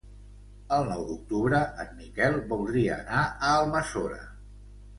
El nou d'octubre en Miquel voldria anar a Almassora.